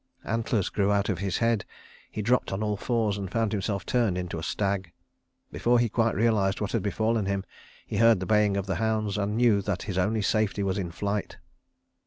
Antlers grew out of his head, he dropped on all fours, and found himself turned into a stag. Before he quite realized what had befallen him he heard the baying of hounds, and knew that his only safety was in flight.